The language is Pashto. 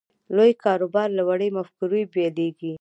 لوی کاروبار له وړې مفکورې پیلېږي